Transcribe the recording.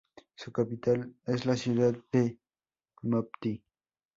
Su capital es la ciudad de Mopti.